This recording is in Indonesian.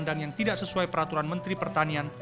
dan yang tidak sesuai peraturan menteri pertanian